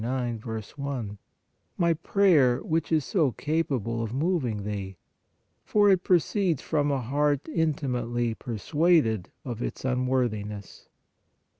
i), my prayer, which is so capable of moving Thee, for it proceeds from a heart intimately persuaded of its unworthi ness.